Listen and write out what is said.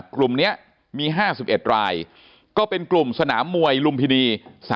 กลุ่มนี้มี๕๑รายก็เป็นกลุ่มสนามมวยลุมพินี